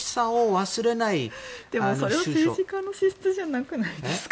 でも、それは政治家の資質じゃなくないですか？